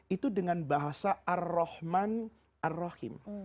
itu dengan bahasa ar rohman ar rohim